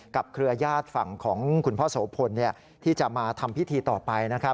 กับเครือยาศฝั่งของคุณพ่อโสภนที่จะมาทำพิธีต่อไป